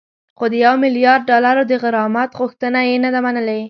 خو د یو میلیارد ډالرو د غرامت غوښتنه یې نه ده منلې